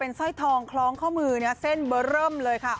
สร้อยทองคล้องข้อมือเส้นเบอร์เริ่มเลยค่ะ